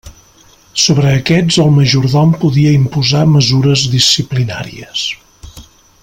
Sobre aquests el majordom podia imposar mesures disciplinàries.